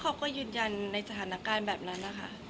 เขาก็ยืนยันในสถานการณ์แบบนั้นนะคะ